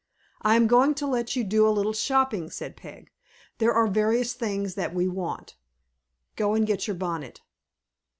"I am going to let you do a little shopping," said Peg. "There are various things that we want. Go and get your bonnet."